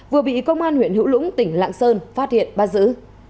vừa bị công an huyện hữu lũng tỉnh lạng sơn phát hiện bắt giữ